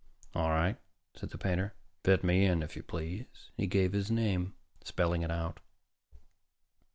"All right," said the painter, "fit me in, if you please." And he gave her his name, spelling it out.